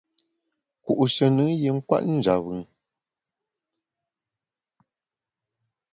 Ku’she nùn yin kwet njap bùn.